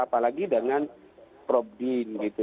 apalagi dengan probdin gitu